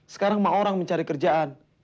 sekarang mah orang mencari kerjaan